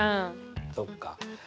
そっか。